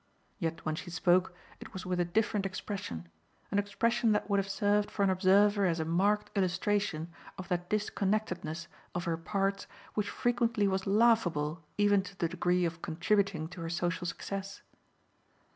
Yet when she spoke it was with a different expression, an expression that would have served for an observer as a marked illustration of that disconnectedness of her parts which frequently was laughable even to the degree of contributing to her social success.